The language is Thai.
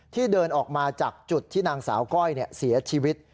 เดินออกมาจากจุดที่นางสาวก้อยเสียชีวิต